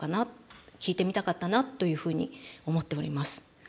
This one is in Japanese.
聞いてみたかったなというふうに思っております。